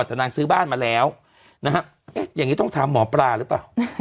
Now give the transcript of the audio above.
แต่นางซื้อบ้านมาแล้วนะฮะเอ๊ะอย่างนี้ต้องถามหมอปลาหรือเปล่า